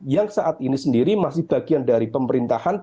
yang saat ini sendiri masih bagian dari pemerintahan